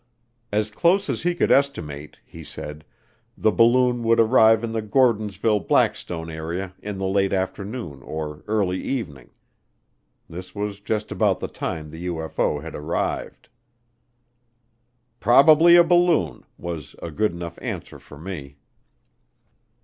As close as he could estimate, he said, the balloon would arrive in the Gordonsville Blackstone area in the late afternoon or early evening. This was just about the time the UFO had arrived. "Probably a balloon" was a good enough answer for me.